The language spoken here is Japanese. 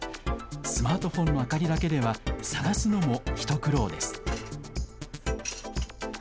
スマートフォンの明かりだけでは探すのも一苦労です。